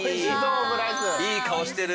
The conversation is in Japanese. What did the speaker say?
いい顔してる。